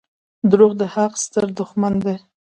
• دروغ د حق ستر دښمن دي.